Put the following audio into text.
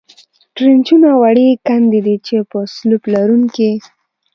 ټرینچونه وړې کندې دي، چې په سلوپ لرونکې.